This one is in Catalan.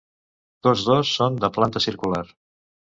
Tots dos són de planta circular.